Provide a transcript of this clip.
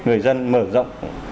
người dân mở rộng